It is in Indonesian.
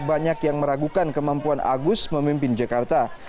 banyak yang meragukan kemampuan agus memimpin jakarta